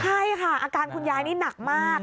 ใช่ค่ะอาการคุณยายนี่หนักมาก